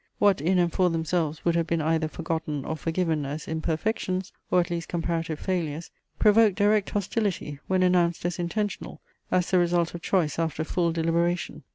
What in and for themselves would have been either forgotten or forgiven as imperfections, or at least comparative failures, provoked direct hostility when announced as intentional, as the result of choice after full deliberation.